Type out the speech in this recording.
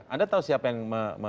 anda tahu siapa yang